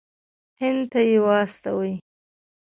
هند ته یې واستوي.